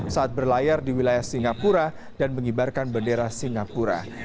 saat berlayar di wilayah singapura dan mengibarkan bendera singapura